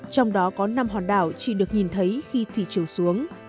trong đó có năm hòn đảo chỉ được nhìn thấy khi thủy chiều xuống